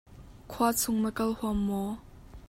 Khuachung na kal huam maw?